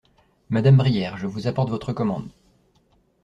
Madame Brière, je vous apporte votre commande.